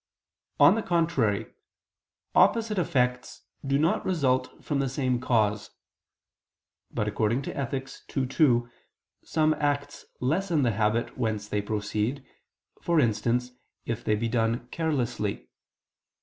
On the contrary, Opposite effects do not result from the same cause. But according to Ethic. ii, 2, some acts lessen the habit whence they proceed, for instance if they be done carelessly.